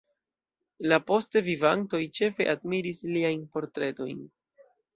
La poste vivantoj ĉefe admiris liajn portretojn.